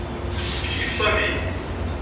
Ikeyyef Sami.